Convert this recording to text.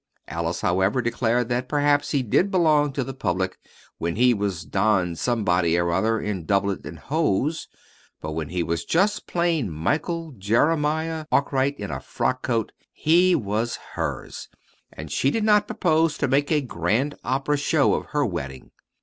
Alice, however, declared that perhaps he did belong to the public, when he was Don Somebody or other in doublet and hose; but when he was just plain Michael Jeremiah Arkwright in a frock coat he was hers, and she did not propose to make a Grand Opera show of her wedding.